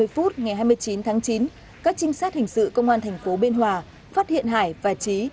ba mươi phút ngày hai mươi chín tháng chín các trinh sát hình sự công an tp biên hòa phát hiện hải và trí